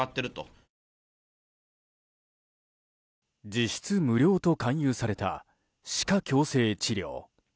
実質無料と勧誘された歯科矯正治療。